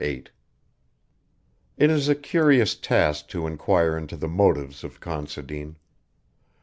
VIII It is a curious task to enquire into the motives of Considine.